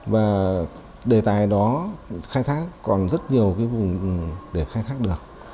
và đề tài đó khai thác còn rất nhiều cái vùng để khai thác được